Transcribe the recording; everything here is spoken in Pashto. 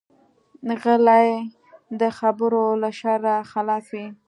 غلی، د خبرو له شره خلاص وي.